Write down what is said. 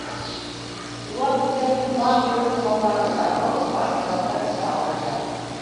Улар үҙҙәренең барлы-юҡлы малдарын да был бай яланда көтә алмайҙар.